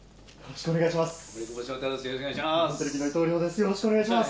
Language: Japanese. よろしくお願いします。